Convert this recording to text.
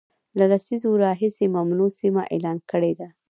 له لسیزو راهیسي ممنوع سیمه اعلان کړې ده